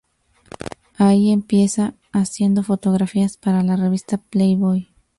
Ahí empieza haciendo fotografías para la revista Playboy.